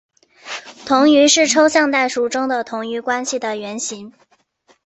同余是抽象代数中的同余关系的原型。